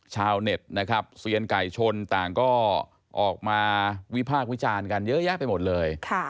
ชาวเน็ตนะครับเซียนไก่ชนต่างก็ออกมาวิพากษ์วิจารณ์กันเยอะแยะไปหมดเลย